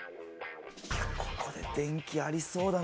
いやここで電気ありそうだな